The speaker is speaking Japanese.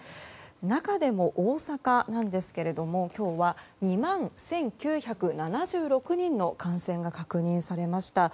中でも大阪なんですが今日は２万１９７６人の感染が確認されました。